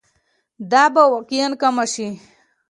دا به واقعاً کمه شي.